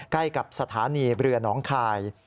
ใกล้กับสถานีเรือหนองคาย